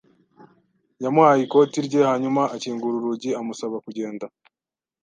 Yamuhaye ikoti rye hanyuma akingura urugi amusaba kugenda.